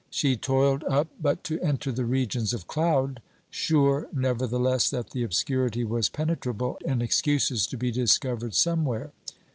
She toiled up but to enter the regions of cloud; sure nevertheless that the obscurity was penetrable and excuses to be discovered somewhere.